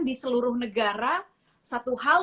di seluruh negara satu hal